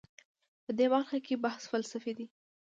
په دې برخه کې بحث فلسفي دی.